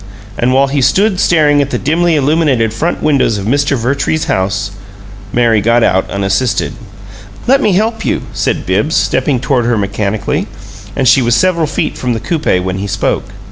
And while he stood staring at the dimly illuminated front windows of Mr. Vertrees's house Mary got out, unassisted. "Let me help you," said Bibbs, stepping toward her mechanically; and she was several feet from the coupe when he spoke.